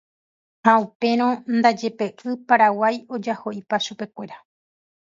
ha upérõ ndaje pe y Paraguái ojaho'ipa chupekuéra.